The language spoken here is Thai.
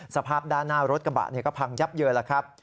สภาพด้านหน้ารถกระบะก็พังยับเยินแล้วครับ